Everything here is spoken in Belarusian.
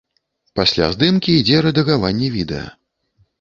Пасля здымкі ідзе рэдагаванне відэа.